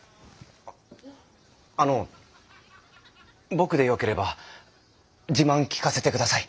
あの僕でよければ自慢聞かせて下さい。